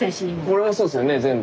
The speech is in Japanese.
これはそうですよね全部。